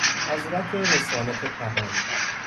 حضرت رسالت پناهی